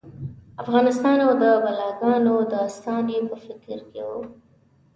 افغانستان او د بلاګانو داستان یې په فکر کې و.